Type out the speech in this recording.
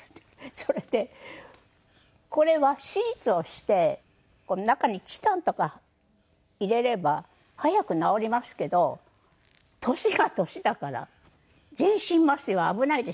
それでこれは手術をして中にチタンとか入れれば早く治りますけど年が年だから全身麻酔は危ないでしょう。